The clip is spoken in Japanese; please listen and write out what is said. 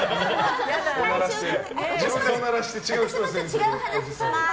私も違う話します！